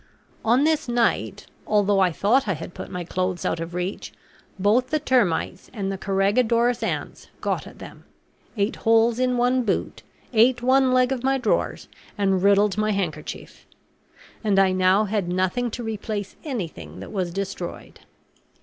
On this night, although I thought I had put my clothes out of reach, both the termites and the carregadores ants got at them, ate holes in one boot, ate one leg of my drawers, and riddled my handkerchief; and I now had nothing to replace anything that was destroyed.